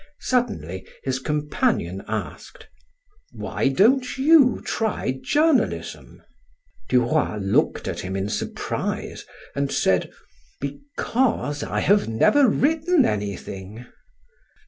Suddenly his companion asked, "Why don't you try journalism?" Duroy looked at him in surprise and said: "Because I have never written anything."